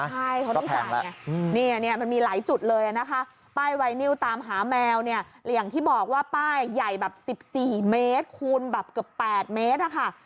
ใช่เพราะมันแข็งมันมีหลายจุดเลยป้ายไวนิวตามหาแมวอย่างที่บอกว่าป้ายใหญ่แบบ๑๔เมตรคูณแบบเกือบ๘เมตร